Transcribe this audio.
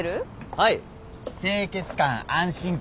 はい。